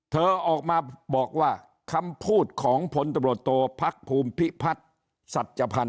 เธอออกมาบอกว่าคำพูดของผลตบรรโตภักษณ์ภูมิพิพัฒน์สัจจพันธ์